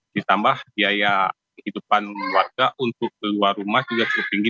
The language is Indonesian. ditambah biaya kehidupan warga untuk keluar rumah juga cukup tinggi